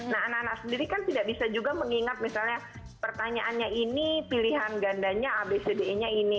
nah anak anak sendiri kan tidak bisa juga mengingat misalnya pertanyaannya ini pilihan gandanya abcde nya ini